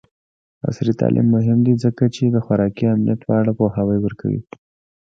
عصري تعلیم مهم دی ځکه چې د خوراکي امنیت په اړه پوهاوی ورکوي.